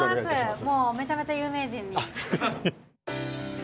もうめちゃめちゃ有名人。